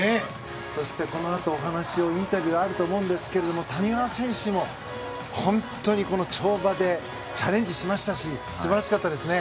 そしてこのあとインタビューがあると思いますが谷川選手も跳馬でチャレンジしましたし素晴らしかったですね。